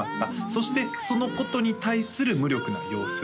そしてそのことに対する無力な様子